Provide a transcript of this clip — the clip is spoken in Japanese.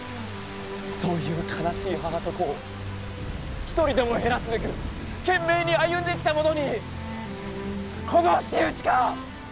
そういう悲しい母と子を一人でも減らすべく懸命に歩んできた者にこの仕打ちか！？